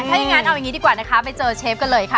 ถ้าอย่างนั้นเอาอย่างนี้ดีกว่านะคะไปเจอเชฟกันเลยค่ะ